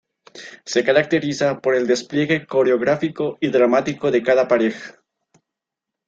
Se caracteriza por el despliegue coreográfico y dramático de cada pareja.